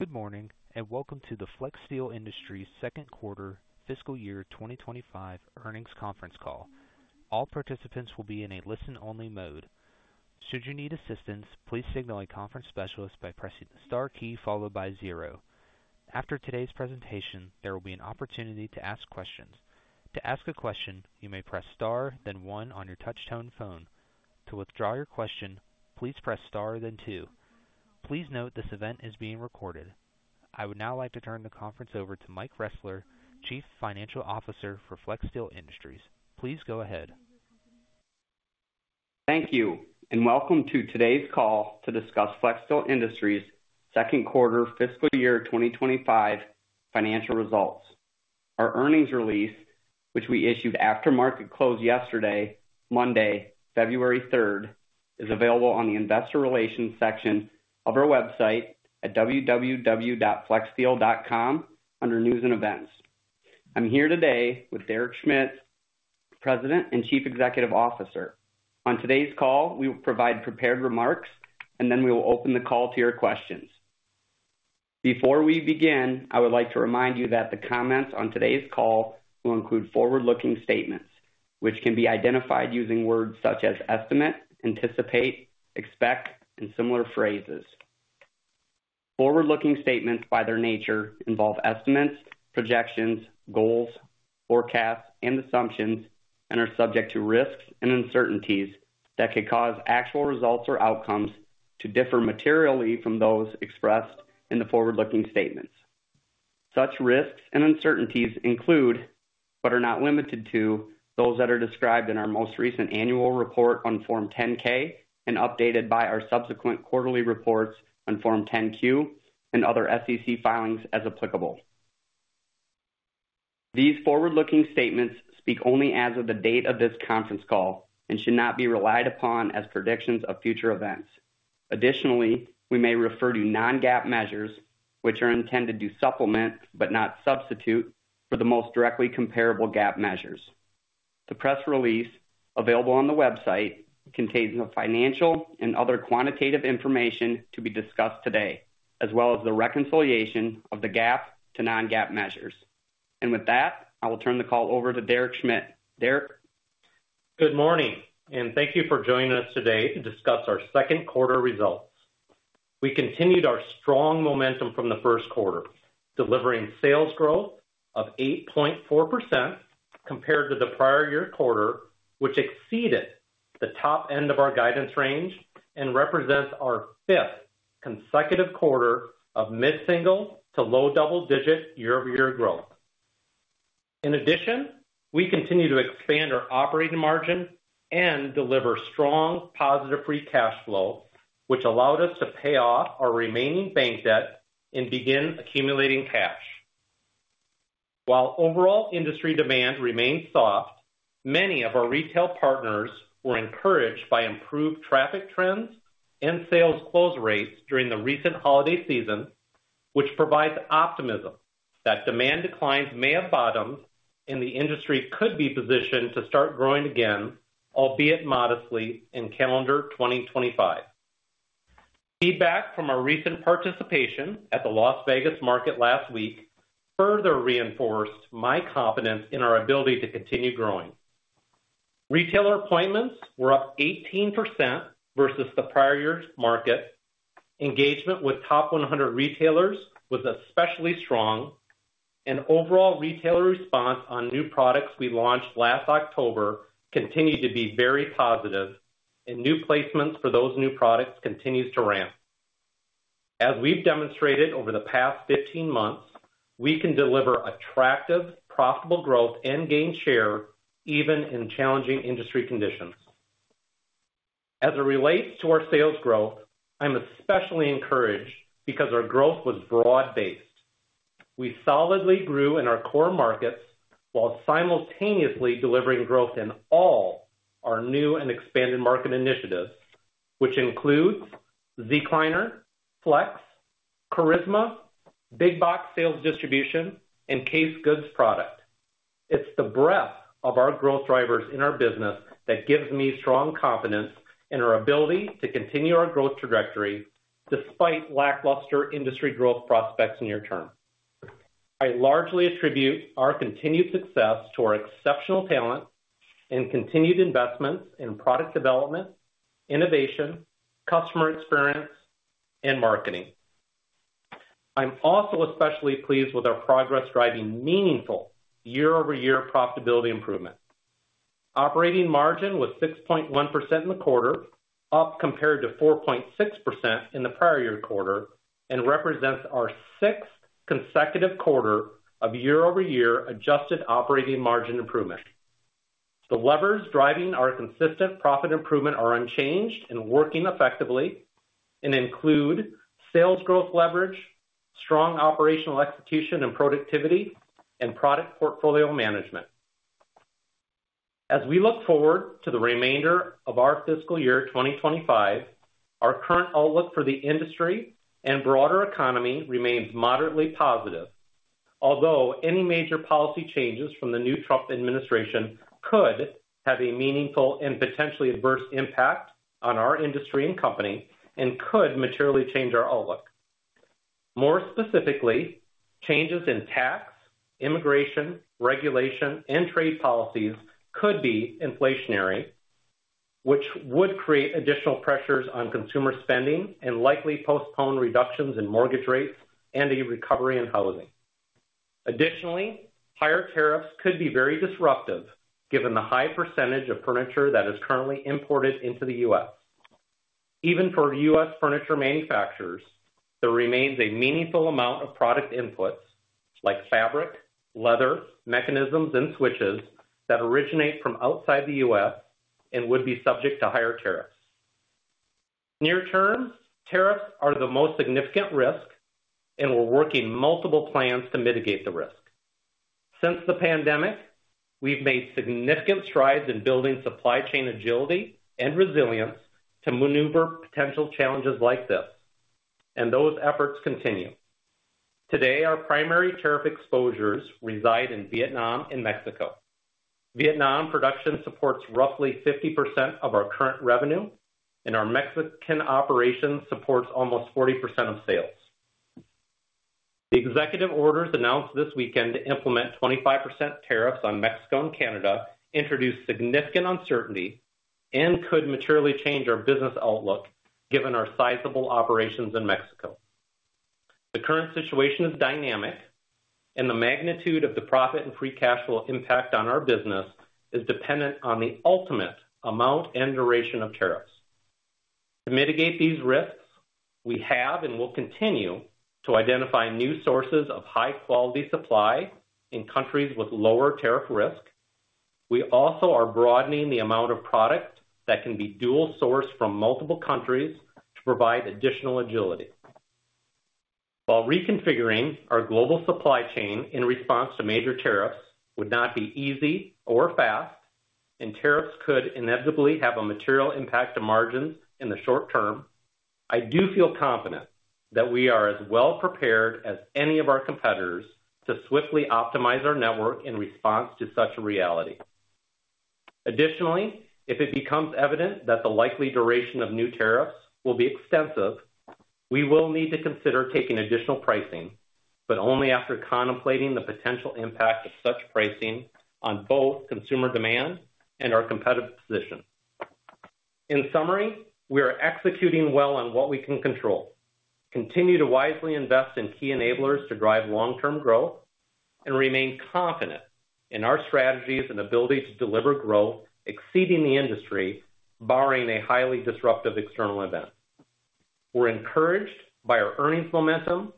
Good morning, and welcome to the Flexsteel Industries second quarter, fiscal year 2025 earnings conference call. All participants will be in a listen-only mode. Should you need assistance, please signal a conference specialist by pressing the star key followed by zero. After today's presentation, there will be an opportunity to ask questions. To ask a question, you may press star, then one on your touch-tone phone. To withdraw your question, please press star, then two. Please note this event is being recorded. I would now like to turn the conference over to Mike Ressler, Chief Financial Officer for Flexsteel Industries. Please go ahead. Thank you, and welcome to today's call to discuss Flexsteel Industries' second quarter, fiscal year 2025 financial results. Our earnings release, which we issued after market close yesterday, Monday, February 3rd, is available on the investor relations section of our website at www.flexsteel.com under news and events. I'm here today with Derek Schmidt, President and Chief Executive Officer. On today's call, we will provide prepared remarks, and then we will open the call to your questions. Before we begin, I would like to remind you that the comments on today's call will include forward-looking statements, which can be identified using words such as estimate, anticipate, expect, and similar phrases. Forward-looking statements, by their nature, involve estimates, projections, goals, forecasts, and assumptions, and are subject to risks and uncertainties that could cause actual results or outcomes to differ materially from those expressed in the forward-looking statements. Such risks and uncertainties include, but are not limited to, those that are described in our most recent annual report on Form 10-K and updated by our subsequent quarterly reports on Form 10-Q and other SEC filings as applicable. These forward-looking statements speak only as of the date of this conference call and should not be relied upon as predictions of future events. Additionally, we may refer to non-GAAP measures, which are intended to supplement but not substitute for the most directly comparable GAAP measures. The press release available on the website contains the financial and other quantitative information to be discussed today, as well as the reconciliation of the GAAP to non-GAAP measures. And with that, I will turn the call over to Derek Schmidt. Derek. Good morning, and thank you for joining us today to discuss our second quarter results. We continued our strong momentum from the first quarter, delivering sales growth of 8.4% compared to the prior year quarter, which exceeded the top end of our guidance range and represents our fifth consecutive quarter of mid-single to low double-digit year-over-year growth. In addition, we continue to expand our operating margin and deliver strong positive free cash flow, which allowed us to pay off our remaining bank debt and begin accumulating cash. While overall industry demand remained soft, many of our retail partners were encouraged by improved traffic trends and sales close rates during the recent holiday season, which provides optimism that demand declines may have bottomed and the industry could be positioned to start growing again, albeit modestly, in calendar 2025. Feedback from our recent participation at the Las Vegas Market last week further reinforced my confidence in our ability to continue growing. Retailer appointments were up 18% versus the prior year's market. Engagement with top 100 retailers was especially strong, and overall retailer response on new products we launched last October continued to be very positive, and new placements for those new products continued to ramp. As we've demonstrated over the past 15 months, we can deliver attractive, profitable growth and gain share even in challenging industry conditions. As it relates to our sales growth, I'm especially encouraged because our growth was broad-based. We solidly grew in our core markets while simultaneously delivering growth in all our new and expanded market initiatives, which includes Zecliner, Flex, Charisma, Big Box sales distribution, and Casegoods product. It's the breadth of our growth drivers in our business that gives me strong confidence in our ability to continue our growth trajectory despite lackluster industry growth prospects near term. I largely attribute our continued success to our exceptional talent and continued investments in product development, innovation, customer experience, and marketing. I'm also especially pleased with our progress driving meaningful year-over-year profitability improvement. Operating margin was 6.1% in the quarter, up compared to 4.6% in the prior year quarter, and represents our sixth consecutive quarter of year-over-year adjusted operating margin improvement. The levers driving our consistent profit improvement are unchanged and working effectively and include sales growth leverage, strong operational execution and productivity, and product portfolio management. As we look forward to the remainder of our fiscal year 2025, our current outlook for the industry and broader economy remains moderately positive, although any major policy changes from the new Trump administration could have a meaningful and potentially adverse impact on our industry and company and could materially change our outlook. More specifically, changes in tax, immigration, regulation, and trade policies could be inflationary, which would create additional pressures on consumer spending and likely postpone reductions in mortgage rates and a recovery in housing. Additionally, higher tariffs could be very disruptive given the high percentage of furniture that is currently imported into the U.S. Even for U.S. furniture manufacturers, there remains a meaningful amount of product inputs like fabric, leather, mechanisms, and switches that originate from outside the U.S. and would be subject to higher tariffs. Near-term, tariffs are the most significant risk, and we're working multiple plans to mitigate the risk. Since the pandemic, we've made significant strides in building supply chain agility and resilience to maneuver potential challenges like this, and those efforts continue. Today, our primary tariff exposures reside in Vietnam and Mexico. Vietnam production supports roughly 50% of our current revenue, and our Mexican operations support almost 40% of sales. The executive orders announced this weekend to implement 25% tariffs on Mexico and Canada introduced significant uncertainty and could materially change our business outlook given our sizable operations in Mexico. The current situation is dynamic, and the magnitude of the profit and free cash flow impact on our business is dependent on the ultimate amount and duration of tariffs. To mitigate these risks, we have and will continue to identify new sources of high-quality supply in countries with lower tariff risk. We also are broadening the amount of product that can be dual-sourced from multiple countries to provide additional agility. While reconfiguring our global supply chain in response to major tariffs would not be easy or fast, and tariffs could inevitably have a material impact on margins in the short term, I do feel confident that we are as well prepared as any of our competitors to swiftly optimize our network in response to such a reality. Additionally, if it becomes evident that the likely duration of new tariffs will be extensive, we will need to consider taking additional pricing, but only after contemplating the potential impact of such pricing on both consumer demand and our competitive position. In summary, we are executing well on what we can control, continue to wisely invest in key enablers to drive long-term growth, and remain confident in our strategies and ability to deliver growth exceeding the industry barring a highly disruptive external event. We're encouraged by our earnings momentum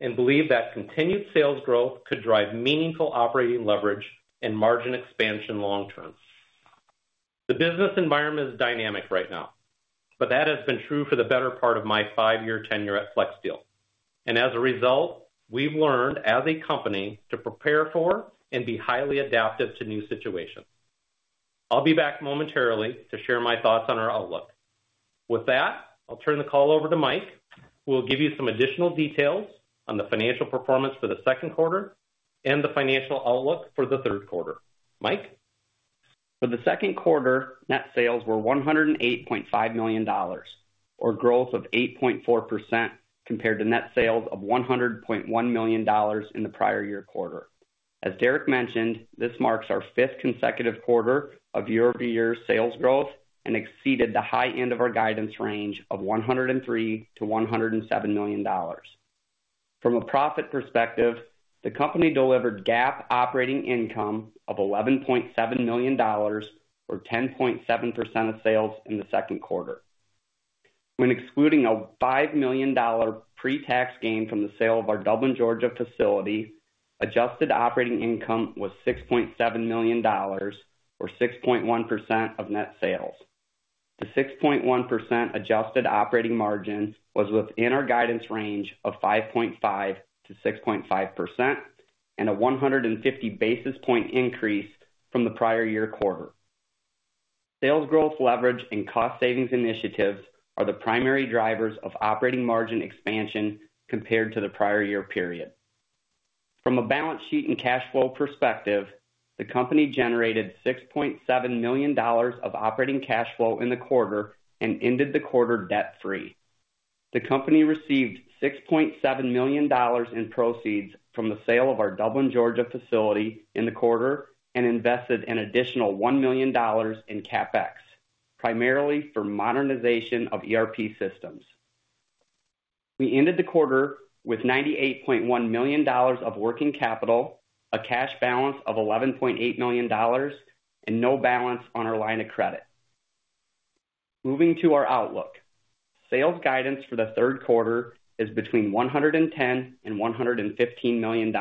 and believe that continued sales growth could drive meaningful operating leverage and margin expansion long-term. The business environment is dynamic right now, but that has been true for the better part of my five-year tenure at Flexsteel, and as a result, we've learned as a company to prepare for and be highly adaptive to new situations. I'll be back momentarily to share my thoughts on our outlook. With that, I'll turn the call over to Mike, who will give you some additional details on the financial performance for the second quarter and the financial outlook for the third quarter. Mike. For the second quarter, net sales were $108.5 million, or a growth of 8.4% compared to net sales of $100.1 million in the prior year quarter. As Derek mentioned, this marks our fifth consecutive quarter of year-over-year sales growth and exceeded the high end of our guidance range of $103-$107 million. From a profit perspective, the company delivered GAAP operating income of $11.7 million, or 10.7% of sales in the second quarter. When excluding a $5 million pre-tax gain from the sale of our Dublin, Georgia facility, adjusted operating income was $6.7 million, or 6.1% of net sales. The 6.1% adjusted operating margin was within our guidance range of 5.5%-6.5% and a 150 basis point increase from the prior year quarter. Sales growth leverage and cost savings initiatives are the primary drivers of operating margin expansion compared to the prior year period. From a balance sheet and cash flow perspective, the company generated $6.7 million of operating cash flow in the quarter and ended the quarter debt-free. The company received $6.7 million in proceeds from the sale of our Dublin, Georgia facility in the quarter and invested an additional $1 million in CapEx, primarily for modernization of ERP systems. We ended the quarter with $98.1 million of working capital, a cash balance of $11.8 million, and no balance on our line of credit. Moving to our outlook, sales guidance for the third quarter is between $110 and $115 million,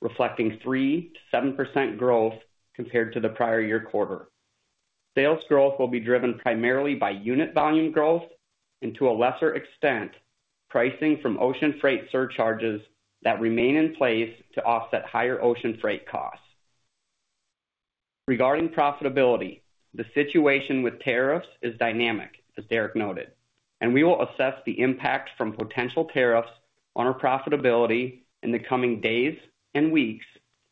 reflecting 3%-7% growth compared to the prior year quarter. Sales growth will be driven primarily by unit volume growth and, to a lesser extent, pricing from ocean freight surcharges that remain in place to offset higher ocean freight costs. Regarding profitability, the situation with tariffs is dynamic, as Derek noted, and we will assess the impact from potential tariffs on our profitability in the coming days and weeks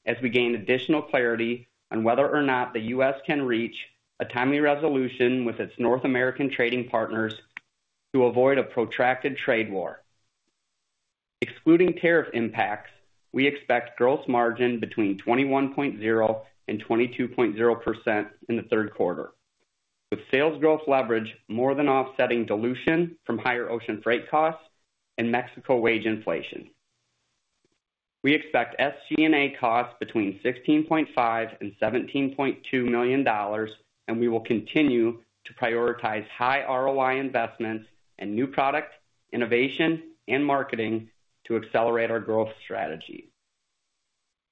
as we gain additional clarity on whether or not the U.S. can reach a timely resolution with its North American trading partners to avoid a protracted trade war. Excluding tariff impacts, we expect gross margin between 21.0%-22.0% in the third quarter, with sales growth leverage more than offsetting dilution from higher ocean freight costs and Mexico wage inflation. We expect SG&A costs between $16.5-$17.2 million, and we will continue to prioritize high ROI investments and new product innovation and marketing to accelerate our growth strategy.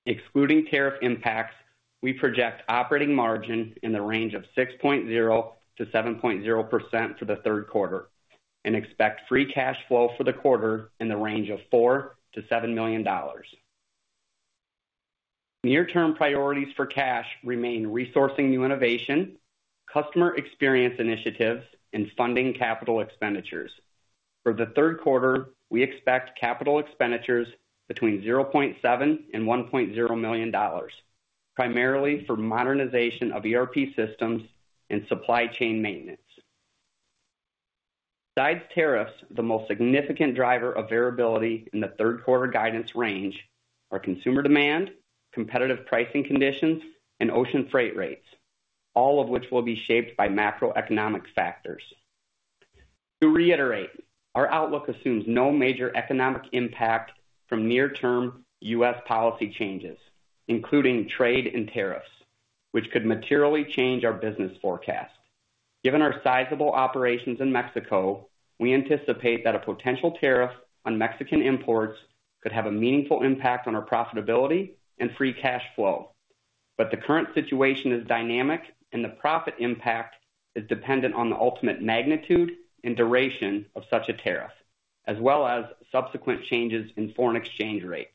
Excluding tariff impacts, we project operating margin in the range of 6.0%-7.0% for the third quarter and expect free cash flow for the quarter in the range of $4-$7 million. Near-term priorities for cash remain resourcing new innovation, customer experience initiatives, and funding capital expenditures. For the third quarter, we expect capital expenditures between $0.7-$1.0 million, primarily for modernization of ERP systems and supply chain maintenance. Besides tariffs, the most significant driver of variability in the third quarter guidance range are consumer demand, competitive pricing conditions, and ocean freight rates, all of which will be shaped by macroeconomic factors. To reiterate, our outlook assumes no major economic impact from near-term U.S. policy changes, including trade and tariffs, which could materially change our business forecast. Given our sizable operations in Mexico, we anticipate that a potential tariff on Mexican imports could have a meaningful impact on our profitability and free cash flow, but the current situation is dynamic and the profit impact is dependent on the ultimate magnitude and duration of such a tariff, as well as subsequent changes in foreign exchange rates.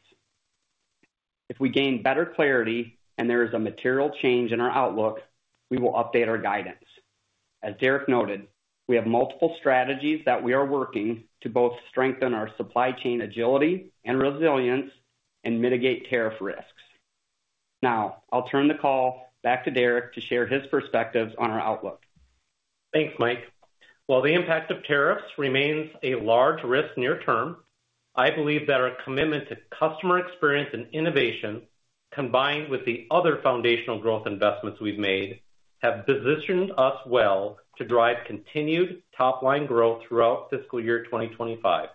If we gain better clarity and there is a material change in our outlook, we will update our guidance. As Derek noted, we have multiple strategies that we are working to both strengthen our supply chain agility and resilience and mitigate tariff risks. Now, I'll turn the call back to Derek to share his perspectives on our outlook. Thanks, Mike. While the impact of tariffs remains a large risk near-term, I believe that our commitment to customer experience and innovation, combined with the other foundational growth investments we've made, have positioned us well to drive continued top-line growth throughout fiscal year 2025.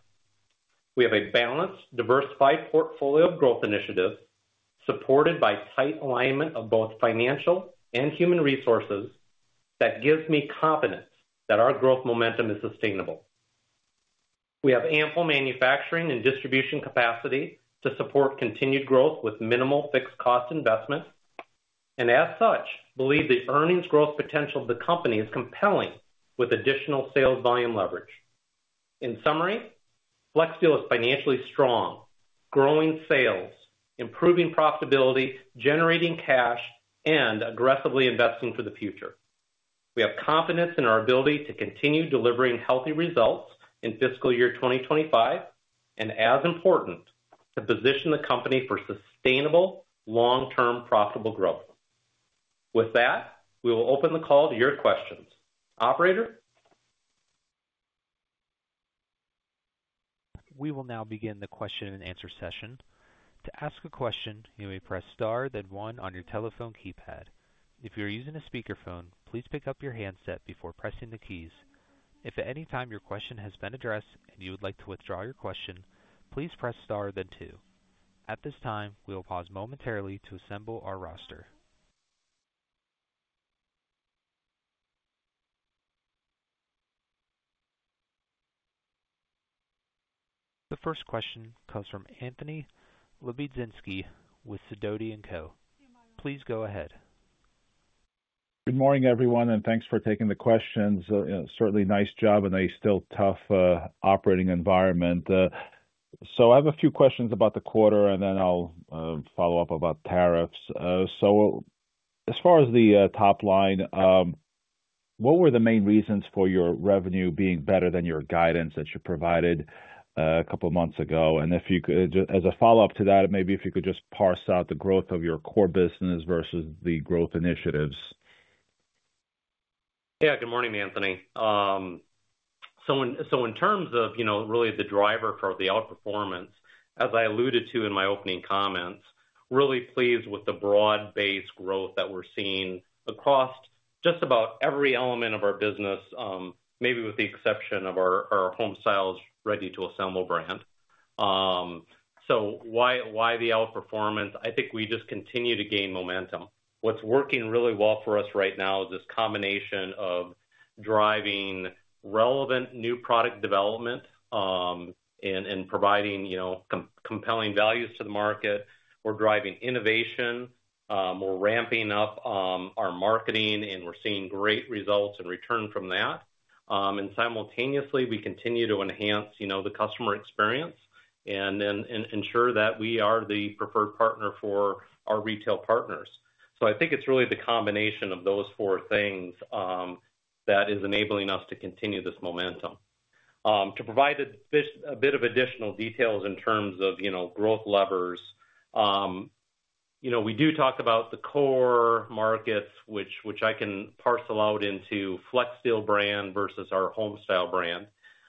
We have a balanced, diversified portfolio of growth initiatives supported by tight alignment of both financial and human resources that gives me confidence that our growth momentum is sustainable. We have ample manufacturing and distribution capacity to support continued growth with minimal fixed-cost investment, and as such, believe the earnings growth potential of the company is compelling with additional sales volume leverage. In summary, Flexsteel is financially strong, growing sales, improving profitability, generating cash, and aggressively investing for the future. We have confidence in our ability to continue delivering healthy results in fiscal year 2025 and, as important, to position the company for sustainable, long-term profitable growth. With that, we will open the call to your questions. Operator. We will now begin the question-and-answer session. To ask a question, you may press star, then one, on your telephone keypad. If you're using a speakerphone, please pick up your handset before pressing the keys. If at any time your question has been addressed and you would like to withdraw your question, please press star, then two. At this time, we will pause momentarily to assemble our roster. The first question comes from Anthony Lebiedzinski with Sidoti & Co. Please go ahead. Good morning, everyone, and thanks for taking the questions. Certainly nice job in a still tough operating environment. So I have a few questions about the quarter, and then I'll follow up about tariffs. So as far as the top line, what were the main reasons for your revenue being better than your guidance that you provided a couple of months ago? And as a follow-up to that, maybe if you could just parse out the growth of your core business versus the growth initiatives? Yeah, good morning, Anthony. So in terms of really the driver for the outperformance, as I alluded to in my opening comments, really pleased with the broad-based growth that we're seeing across just about every element of our business, maybe with the exception of our Homestyles ready-to-assemble brand. So why the outperformance? I think we just continue to gain momentum. What's working really well for us right now is this combination of driving relevant new product development and providing compelling values to the market. We're driving innovation. We're ramping up our marketing, and we're seeing great results and return from that. And simultaneously, we continue to enhance the customer experience and ensure that we are the preferred partner for our retail partners. So I think it's really the combination of those four things that is enabling us to continue this momentum. To provide a bit of additional details in terms of growth levers, we do talk about the core markets, which I can parcel out into Flexsteel brand versus our Homestyles brand.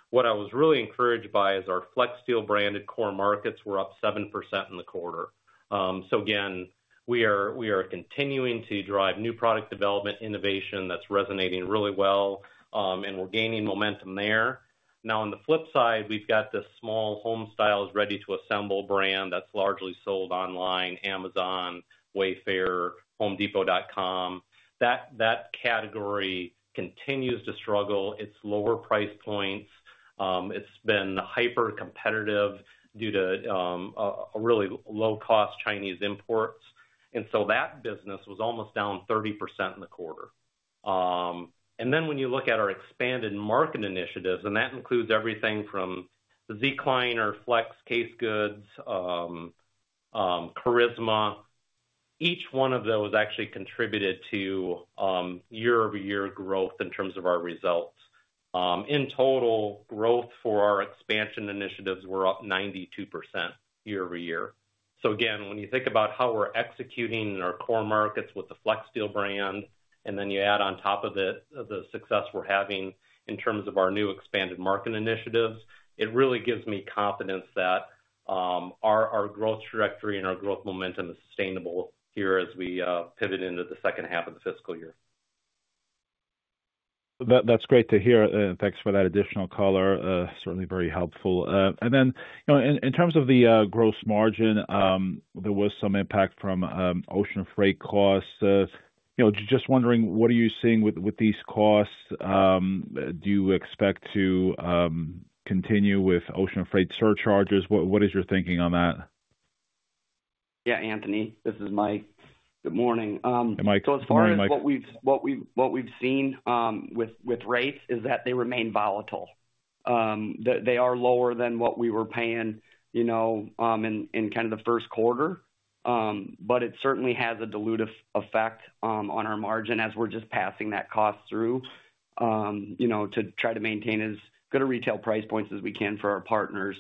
What I was really encouraged by is our Flexsteel branded core markets were up 7% in the quarter. So again, we are continuing to drive new product development innovation that's resonating really well, and we're gaining momentum there. Now, on the flip side, we've got this small Homestyles ready-to-assemble brand that's largely sold online, Amazon, Wayfair, HomeDepot.com. That category continues to struggle. It's lower price points. It's been hyper-competitive due to really low-cost Chinese imports. And so that business was almost down 30% in the quarter. And then when you look at our expanded market initiatives, and that includes everything from Zecliner or Flex Casegoods, Charisma, each one of those actually contributed to year-over-year growth in terms of our results. In total, growth for our expansion initiatives were up 92% year-over-year. So again, when you think about how we're executing our core markets with the Flexsteel brand, and then you add on top of it the success we're having in terms of our new expanded market initiatives, it really gives me confidence that our growth trajectory and our growth momentum is sustainable here as we pivot into the second half of the fiscal year. That's great to hear. And thanks for that additional color. Certainly very helpful. And then in terms of the gross margin, there was some impact from ocean freight costs. Just wondering, what are you seeing with these costs? Do you expect to continue with ocean freight surcharges? What is your thinking on that? Yeah, Anthony, this is Mike. Good morning. Hey, Mike. As far as what we've seen with rates, is that they remain volatile. They are lower than what we were paying in kind of the first quarter, but it certainly has a dilutive effect on our margin as we're just passing that cost through to try to maintain as good a retail price point as we can for our partners.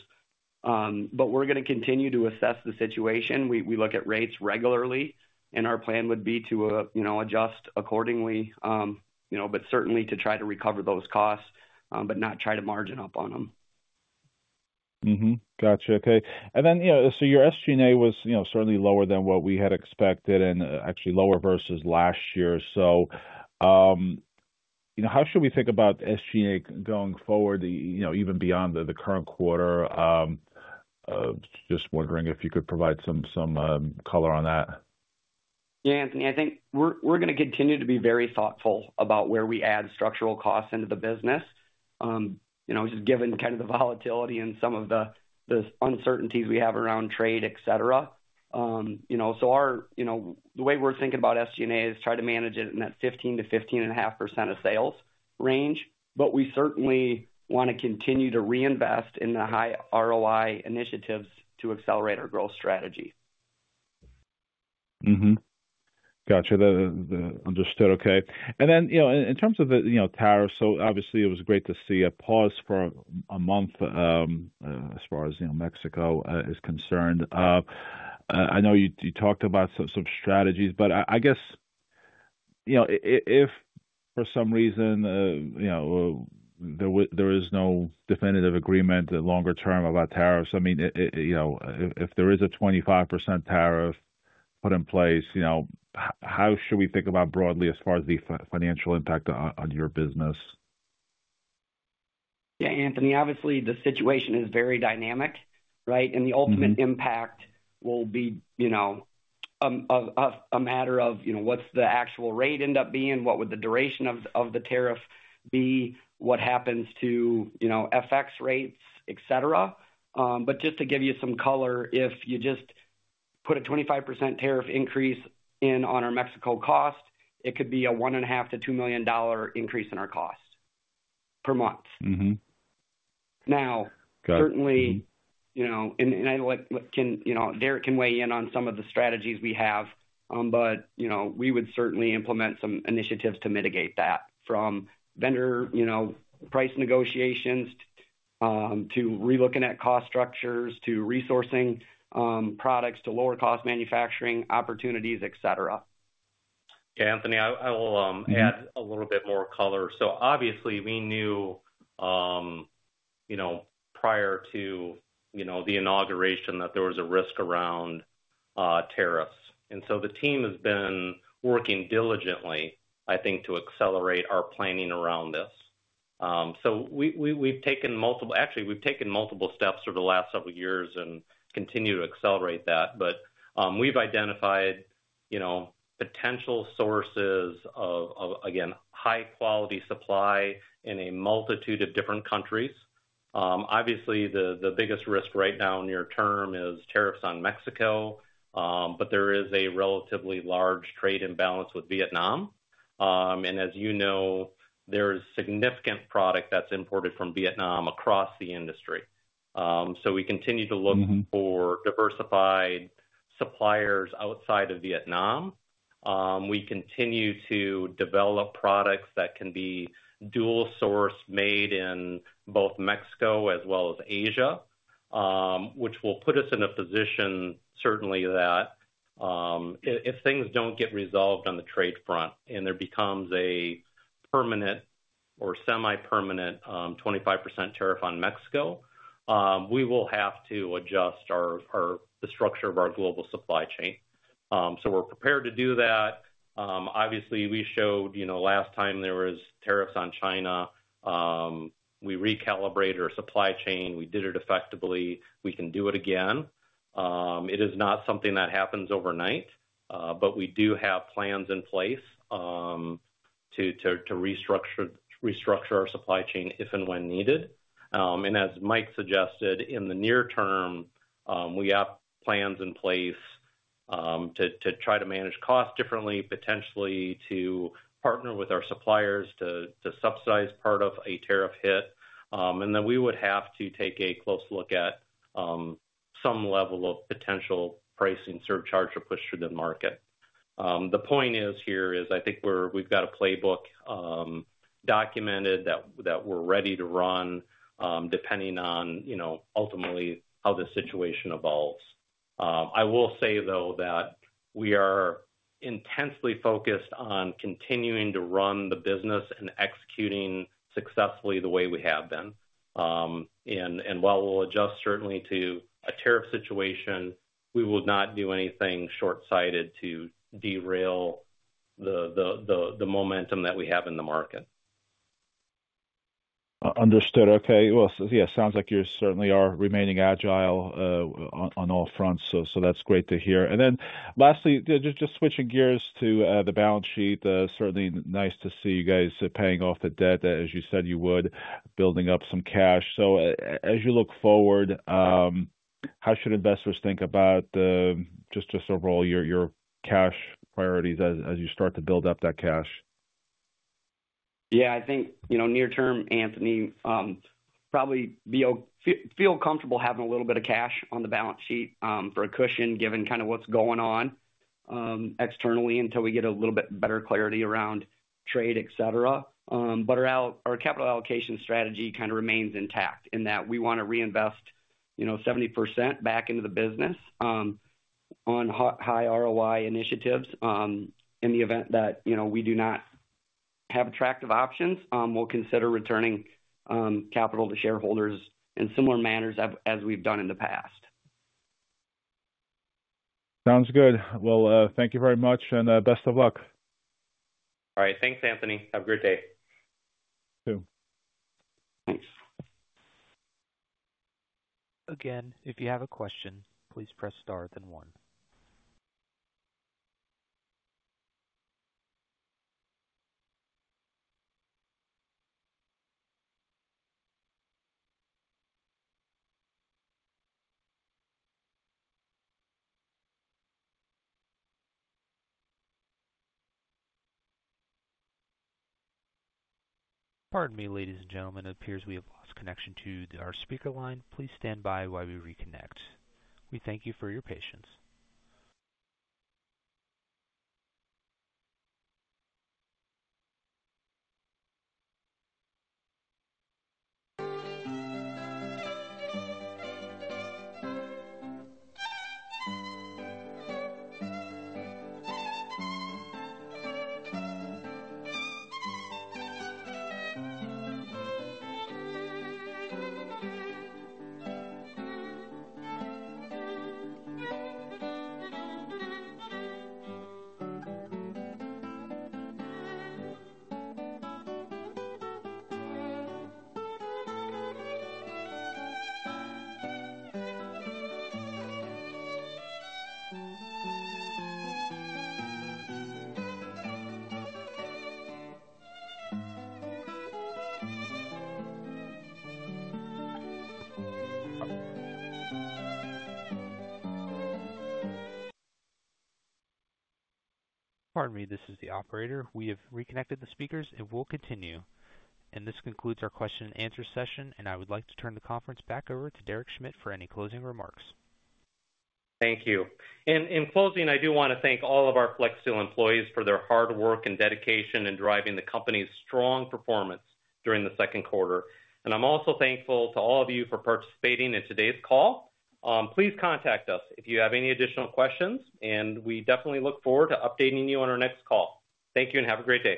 We're going to continue to assess the situation. We look at rates regularly, and our plan would be to adjust accordingly, but certainly to try to recover those costs, but not try to margin up on them. Gotcha. Okay, and then so your SG&A was certainly lower than what we had expected and actually lower versus last year. So how should we think about SG&A going forward, even beyond the current quarter? Just wondering if you could provide some color on that. Yeah, Anthony, I think we're going to continue to be very thoughtful about where we add structural costs into the business, just given kind of the volatility and some of the uncertainties we have around trade, etc. So the way we're thinking about SG&A is try to manage it in that 15%-15.5% of sales range, but we certainly want to continue to reinvest in the high ROI initiatives to accelerate our growth strategy. Gotcha. Understood. Okay. And then in terms of the tariffs, so obviously, it was great to see a pause for a month as far as Mexico is concerned. I know you talked about some strategies, but I guess if for some reason there is no definitive agreement longer term about tariffs, I mean, if there is a 25% tariff put in place, how should we think about broadly as far as the financial impact on your business? Yeah, Anthony, obviously, the situation is very dynamic, right? And the ultimate impact will be a matter of what's the actual rate end up being, what would the duration of the tariff be, what happens to FX rates, etc. But just to give you some color, if you just put a 25% tariff increase in on our Mexico cost, it could be a $1.5-$2 million increase in our cost per month. Now, certainly, and Derek can weigh in on some of the strategies we have, but we would certainly implement some initiatives to mitigate that from vendor price negotiations to relooking at cost structures to resourcing products to lower-cost manufacturing opportunities, etc. Yeah, Anthony, I will add a little bit more color. So obviously, we knew prior to the inauguration that there was a risk around tariffs. And so the team has been working diligently, I think, to accelerate our planning around this. So we've taken multiple, actually, we've taken multiple steps over the last several years and continue to accelerate that. But we've identified potential sources of, again, high-quality supply in a multitude of different countries. Obviously, the biggest risk right now near-term is tariffs on Mexico, but there is a relatively large trade imbalance with Vietnam. And as you know, there is significant product that's imported from Vietnam across the industry. So we continue to look for diversified suppliers outside of Vietnam. We continue to develop products that can be dual-sourced, made in both Mexico as well as Asia, which will put us in a position certainly that if things don't get resolved on the trade front and there becomes a permanent or semi-permanent 25% tariff on Mexico, we will have to adjust the structure of our global supply chain. So we're prepared to do that. Obviously, we showed last time there were tariffs on China. We recalibrated our supply chain. We did it effectively. We can do it again. It is not something that happens overnight, but we do have plans in place to restructure our supply chain if and when needed. And as Mike suggested, in the near term, we have plans in place to try to manage costs differently, potentially to partner with our suppliers to subsidize part of a tariff hit. And then we would have to take a close look at some level of potential pricing surcharge to push through the market. The point here is, I think we've got a playbook documented that we're ready to run depending on ultimately how the situation evolves. I will say, though, that we are intensely focused on continuing to run the business and executing successfully the way we have been. And while we'll adjust certainly to a tariff situation, we will not do anything short-sighted to derail the momentum that we have in the market. Understood. Okay. Well, yeah, it sounds like you certainly are remaining agile on all fronts. So that's great to hear. And then lastly, just switching gears to the balance sheet, certainly nice to see you guys paying off the debt, as you said you would, building up some cash. So as you look forward, how should investors think about just overall your cash priorities as you start to build up that cash? Yeah, I think near-term, Anthony, we probably feel comfortable having a little bit of cash on the balance sheet for a cushion given kind of what's going on externally until we get a little bit better clarity around trade, etc. But our capital allocation strategy kind of remains intact in that we want to reinvest 70% back into the business on high ROI initiatives. In the event that we do not have attractive options, we'll consider returning capital to shareholders in similar manners as we've done in the past. Sounds good, well, thank you very much, and best of luck. All right. Thanks, Anthony. Have a great day. You too. Thanks. Again, if you have a question, please press star then one. Pardon me, ladies and gentlemen. It appears we have lost connection to our speaker line. Please stand by while we reconnect. We thank you for your patience. Pardon me, this is the operator. We have reconnected the speakers, and we'll continue. This concludes our question-and-answer session, and I would like to turn the conference back over to Derek Schmidt for any closing remarks. Thank you. And in closing, I do want to thank all of our Flexsteel employees for their hard work and dedication in driving the company's strong performance during the second quarter. And I'm also thankful to all of you for participating in today's call. Please contact us if you have any additional questions, and we definitely look forward to updating you on our next call. Thank you and have a great day.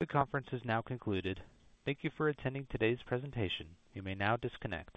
The conference is now concluded. Thank you for attending today's presentation. You may now disconnect.